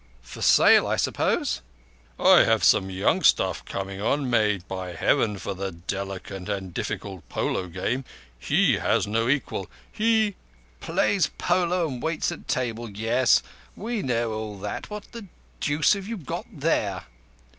For sale, I suppose?" "I have some young stuff coming on made by Heaven for the delicate and difficult polo game. He has no equal. He—" "Plays polo and waits at table. Yes. We know all that. What the deuce have you got there?"